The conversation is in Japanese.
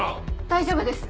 大丈夫です。